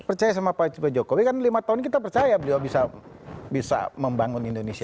percaya sama pak jokowi karena lima tahun kita percaya beliau bisa membangun indonesia